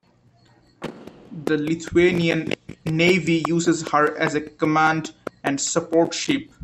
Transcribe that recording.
The Lithuanian Navy uses her as a command and support ship.